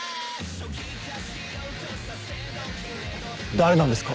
誰なんですか？